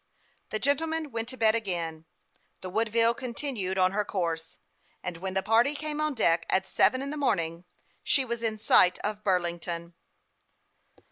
The gentlemen went to bed again ; the Woodville continued on her course, and when the party came on deck, at seven in the morning, she was in sight of Burlington.